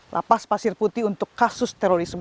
lapas pasir putih untuk kasus terorisme